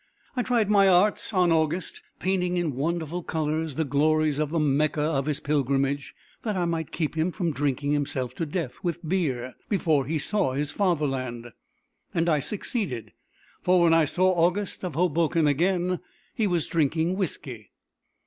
I tried my arts on August, painting in wonderful colours the glories of the Mecca of his pilgrimage, that I might keep him from drinking himself to death with beer before he saw his Fatherland. And I succeeded; for when I saw August of Hoboken again, he was drinking whiskey.